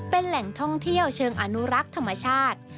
เป็นแหล่งท่องเที่ยวเชิงอนุรักษ์ธรรมชาติ